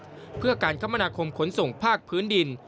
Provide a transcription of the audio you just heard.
และพระการคมนคมขนส่งภาคพื้นดิน